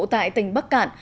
tại tỉnh bắc cạn